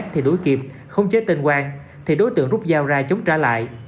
thì đuổi kịp không chế tên quang thì đối tượng rút dao ra chống trả lại